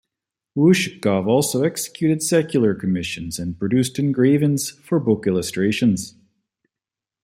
Ushakov also executed secular commissions and produced engravings for book illustrations.